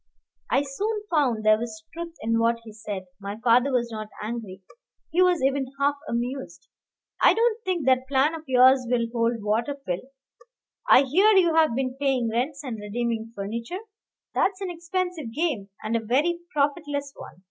I soon found there was truth in what he said. My father was not angry, he was even half amused. "I don't think that plan of yours will hold water, Phil. I hear you have been paying rents and redeeming furniture, that's an expensive game, and a very profitless one.